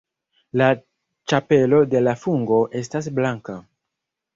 La ĉapelo de la fungo estas blanka.